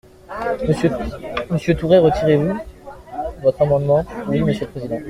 Monsieur Tourret, retirez-vous votre amendement ? Oui, monsieur le président.